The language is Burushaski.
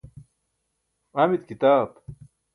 amit kitaab?